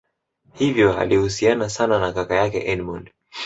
hivyo alihusiana sana na kaka yake edmund